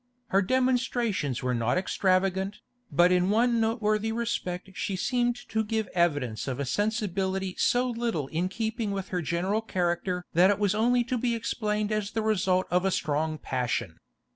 Her demonstrations were not extravagant, but in one noteworthy respect she seemed to give evidence of a sensibility so little in keeping with her general character that it was only to be explained as the result of a strong passion.